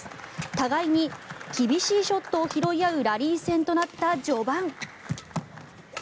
互いに厳しいショットを拾い合うラリー戦となった序盤。